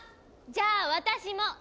じゃあ私も。